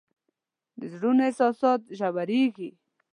د زړونو احساسات ژورېږي